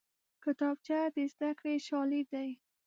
کتابچه د زدکړې شاليد دی